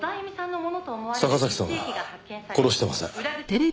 坂崎さんは殺してません。